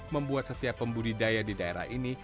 membuat setiap pembudidaya di daerah ini